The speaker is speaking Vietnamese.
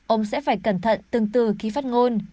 ông sẽ phải cẩn thận từng từ khi phát ngôn